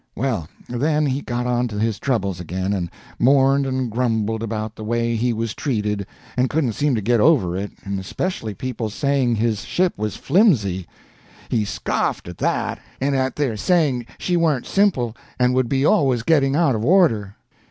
Well, then he got on to his troubles again, and mourned and grumbled about the way he was treated, and couldn't seem to git over it, and especially people's saying his ship was flimsy. He scoffed at that, and at their saying she warn't simple and would be always getting out of order.